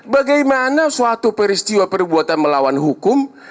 bagaimana suatu peristiwa perbuatan melawan hukum